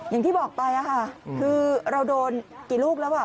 อย่างที่บอกไปค่ะคือเราโดนกี่ลูกแล้ว